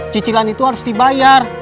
cicilan itu harus dibayar